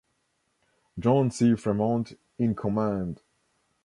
John C. Fremont in command.